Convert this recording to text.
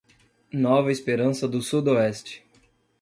Nova Esperança do Sudoeste